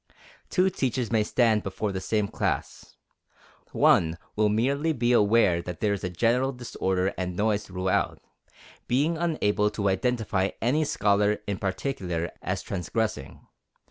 Two teachers may stand before the same class. One will merely be aware that there is a general disorder and noise throughout, being unable to identify any scholar in particular as transgressing.